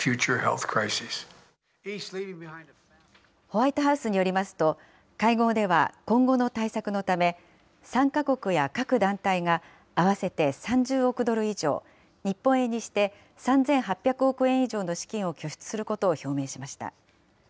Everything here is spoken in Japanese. ホワイトハウスによりますと、会合では今後の対策のため、参加国や各団体が合わせて３０億ドル以上、日本円にして３８００億円以上の資金を拠出することを表明しました。